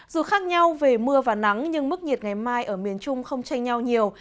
dù khác nhau về mưa và nắng nhưng mức nhiệt ngày mai ở miền trung không chênh nhau nhiều